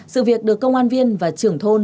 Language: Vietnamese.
sự việc được công an viên và trưởng thôn